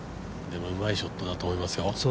でもうまいショットだと思いますよ。